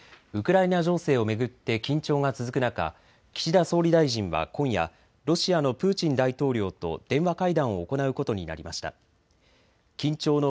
ウクライナ情勢を巡って緊張が続く中、岸田総理大臣は今夜、ロシアのプーチン大統領と電話会談を行うことになりました。